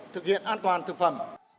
thực hiện an toàn thực phẩm